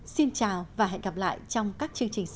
xin chào và hẹn gặp lại trong các chương trình sau